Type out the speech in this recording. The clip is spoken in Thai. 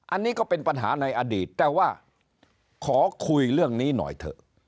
อันนี้ก็เป็นปัญหาในอดีตแต่ว่าขอคุยเรื่องนี้หน่อยเถอะ